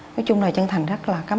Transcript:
nói chung là chân thành rất là cảm ơn